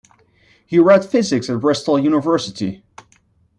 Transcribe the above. He read physics at Bristol University.